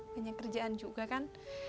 banyak kerjaan juga kan